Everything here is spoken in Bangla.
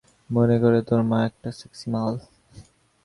সে মনে করে তোর মা একটা সেক্সি মাল।